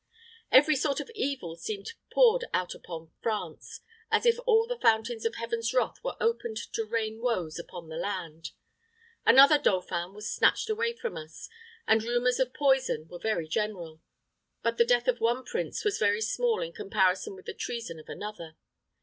"Every sort of evil seemed poured out upon France, as if all the fountains of Heaven's wrath were opened to rain woes upon the land. Another dauphin was snatched away from us, and rumors of poison were very general; but the death of one prince was very small in comparison with the treason of another.